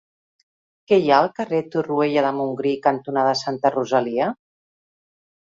Què hi ha al carrer Torroella de Montgrí cantonada Santa Rosalia?